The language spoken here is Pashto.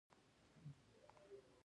اسکندر مقدوني افغانستان ته راغلی و